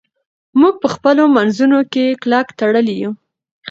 موږ په خپلو منځونو کې کلک تړلي یو.